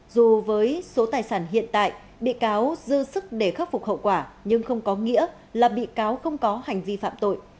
dù với số tài sản hiện tại bị cáo dư sức để khắc phục hậu quả nhưng không có nghĩa là bị cáo không có hành vi phạm tội